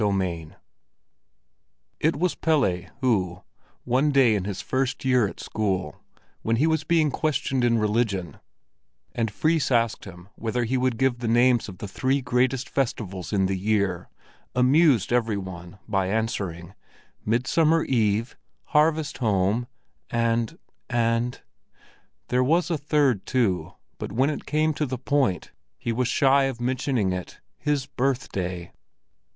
XVIII It was Pelle who, one day in his first year at school, when he was being questioned in Religion, and Fris asked him whether he could give the names of the three greatest festivals in the year, amused every one by answering: "Midsummer Eve, Harvest home and—and——" There was a third, too, but when it came to the point, he was shy of mentioning it—his birthday!